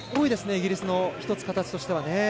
イギリスの形としては。